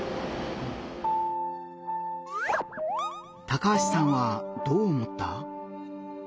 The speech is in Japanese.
高橋さんはどう思った？